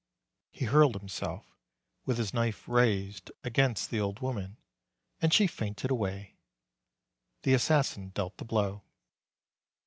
He hurled himself, with his knife raised, against the old woman, and she fainted away. The assassin dealt the blow.